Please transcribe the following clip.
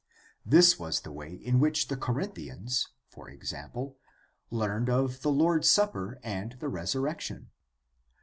This was the way in which the Corinthians, for example, learned of the Lord's Supper and the Resur rection.